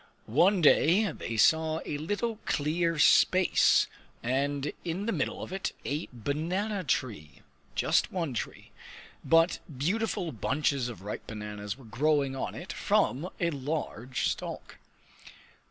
One day they saw a little clear space and in the middle of it a banana tree just one tree. But beautiful bunches of ripe bananas were growing on it from a large stalk.